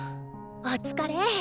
お疲れ。